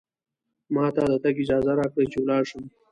ما ته د تګ اجازه راکړئ، چې ولاړ شم.